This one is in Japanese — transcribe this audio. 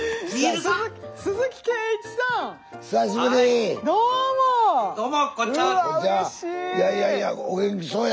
いやいやいやお元気そうや。